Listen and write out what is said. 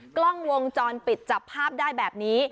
กล้องวงจรปิดจับภาพได้แบบนี้